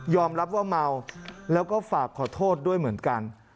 รับว่าเมาแล้วก็ฝากขอโทษด้วยเหมือนกัน